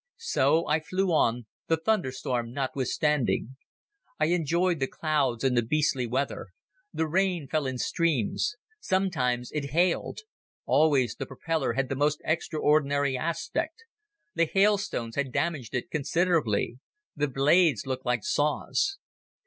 So I flew on, the thunderstorm notwithstanding. I enjoyed the clouds and the beastly weather. The rain fell in streams. Sometimes it hailed. Afterwards the propeller had the most extraordinary aspect. The hail stones had damaged it considerably. The blades looked like saws.